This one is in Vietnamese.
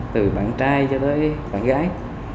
từ bạn trai cho tới bạn gái